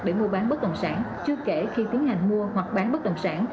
để mua bán bất động sản chưa kể khi tiến hành mua hoặc bán bất động sản